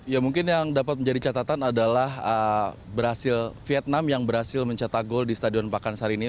ya mungkin yang dapat menjadi catatan adalah vietnam yang berhasil mencetak gol di stadion pakansari ini